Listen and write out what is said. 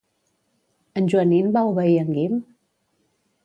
En Joanín va obeir en Guim?